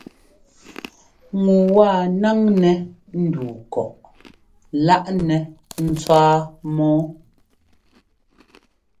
Ŋu wa náŋnɛ́ ndu kɔꞌ lá nɛ tswáa mɔ́ɔ.